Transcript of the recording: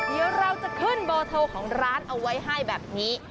เดี๋ยวเราจะขึ้นเบอร์โทรของร้านเอาไว้ให้แบบนี้